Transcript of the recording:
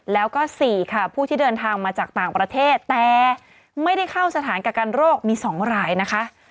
แล้วก็๔ค่ะผู้ที่เดินทางมาจากต่างประเทศแต่ไม่ได้เข้าสถานกักกันโรคมี๒รายนะคะ